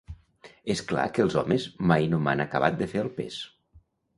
És clar que els homes mai no m'han acabat de fer el pes.